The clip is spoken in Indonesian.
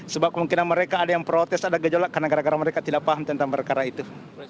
sebab kemungkinan mereka ada yang protes ada gejolak karena gara gara mereka tidak paham tentang perkara itu